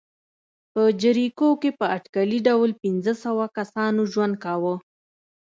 په جریکو کې په اټکلي ډول پنځه سوه کسانو ژوند کاوه.